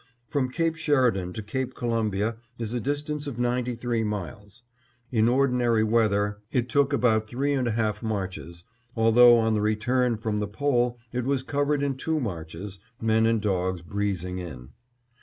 From Cape Sheridan to Cape Columbia is a distance of ninety three miles. In ordinary weather, it took about three and a half marches, although on the return from the Pole it was covered in two marches, men and dogs breezing in.